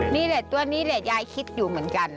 นี่แหละตัวนี้แหละยายคิดอยู่เหมือนกัน